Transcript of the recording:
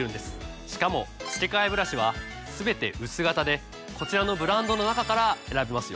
しかも付け替えブラシはすべて薄型でこちらのブランドの中から選べますよ。